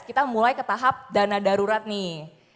kita mulai ke tahap dana darurat nih